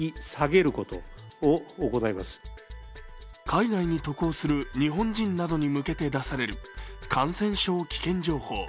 海外に渡航する日本人などに向けて出される感染症危険情報。